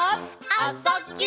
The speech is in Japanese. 「あ・そ・ぎゅ」